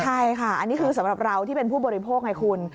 ใช่ค่ะอันนี้คือสำหรับเราที่เป็นผู้บริโภคไงคุณ